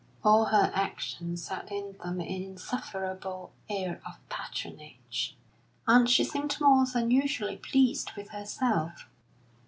All her actions had in them an insufferable air of patronage, and she seemed more than usually pleased with herself.